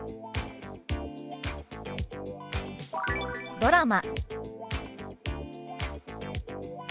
「ドラマ」。